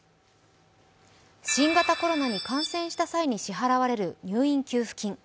新型コロナに感染した際に支払われる入院給付金。